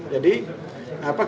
jadi apa kita harus